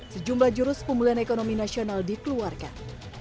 sejumlah jurus pemulihan ekonomi nasional dikeluarkan